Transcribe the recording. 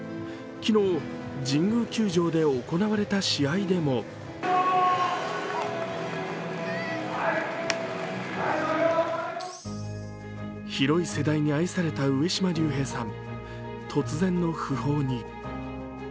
昨日、神宮球場で行われた試合でも広い世代に愛された上島竜兵さん。